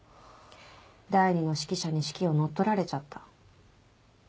第２の指揮者に指揮を乗っ取られちゃった。